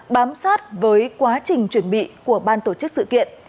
bám sát với quá trình chuẩn bị của ban tổ chức sự kiện